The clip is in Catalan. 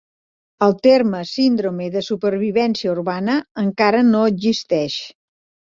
El terme síndrome de supervivència urbana encara no existeix.